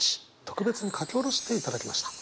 特別に書き下ろしていただきました。